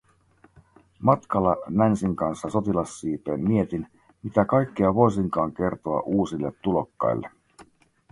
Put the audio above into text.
Matkalla Nancyn kanssa sotilassiipeen mietin, mitä kaikkea voisinkaan kertoa uusille tulokkaille.